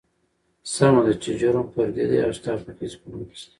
سمه ده چې جرم فردي دى او ستا پکې هېڅ ګنا نشته.